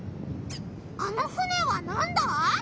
あの船はなんだ？